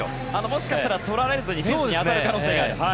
もしかしたらとられずにフェンスに当たる可能性がある。